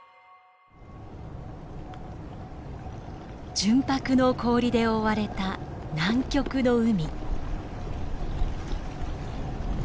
純白の氷で覆われた南極の海。